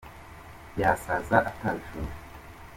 Yasaza atabishoje.